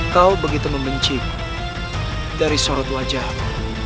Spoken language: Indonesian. kau begitu membenci dari sorot wajahmu